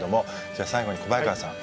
じゃあ最後に小早川さん。